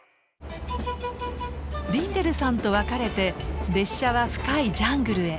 リンデルさんと別れて列車は深いジャングルへ。